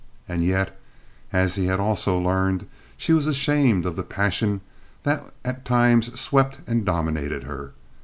And yet, as he had also learned, she was ashamed of the passion that at times swept and dominated her.